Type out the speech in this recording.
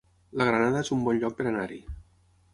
La Granada es un bon lloc per anar-hi